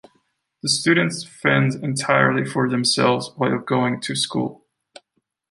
The students fend entirely for themselves while going to school.